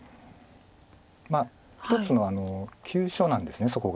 まあ一つの急所なんですそこが。